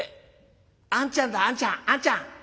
あんちゃんだあんちゃんあんちゃん。